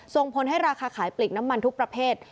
ส่งผลให้ราคาขายปลีกน้ำมันทุกประเภท